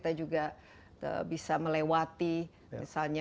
senjaussian dia menurut saya pun saya moins do rider dan dari juga